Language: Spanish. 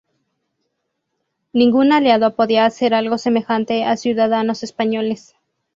Ningún aliado podía hacer algo semejante a ciudadanos españoles.